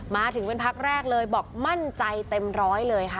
มาถึงเป็นพักแรกเลยบอกมั่นใจเต็มร้อยเลยค่ะ